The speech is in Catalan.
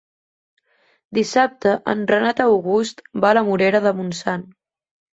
Dissabte en Renat August va a la Morera de Montsant.